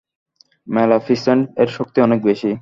Maleficent এর শক্তি অনেক বেশি।